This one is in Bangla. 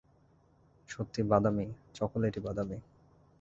সত্যিই বাদামী, চকোলেটি বাদামী।